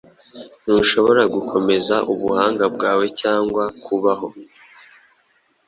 Ntushobora gukomeza Ubuhanga bwawe, cyangwa kubaho